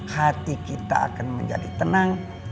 hati kita akan menjadi tenang